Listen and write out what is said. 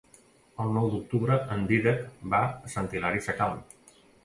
El nou d'octubre en Dídac va a Sant Hilari Sacalm.